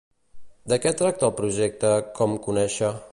De què tracta el Projecte COMconèixer?